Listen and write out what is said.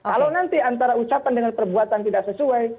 kalau nanti antara ucapan dengan perbuatan tidak sesuai